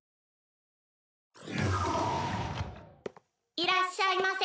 「いらっしゃいませ」